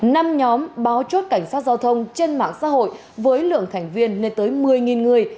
năm nhóm báo chốt cảnh sát giao thông trên mạng xã hội với lượng thành viên lên tới một mươi người